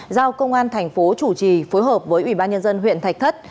giao công an tp chủ trì phối hợp với ủy ban nhân dân huyện thạch thất